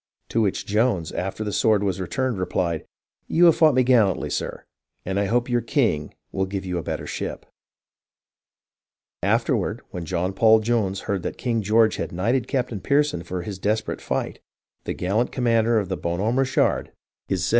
'' To which Jones, after the sword was returned, replied, "You have fought me gallantly, sir, and I hope your king will give you a better ship." Afterward, when John Paul Jones heard that King George had knighted Captain Pearson for his desperate fight, the gallant commander of the Boji Homme Richard is said 1 This story has been denied by some historians.